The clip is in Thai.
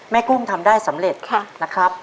แม่กุ้มทำได้สำเร็จค่ะ